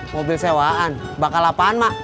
mobil sewaan bakal lapangan mak